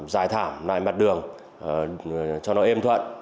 dài thảm lại mặt đường cho nó êm thuận